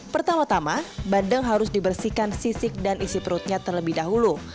pertama tama bandeng harus dibersihkan sisik dan isi perutnya terlebih dahulu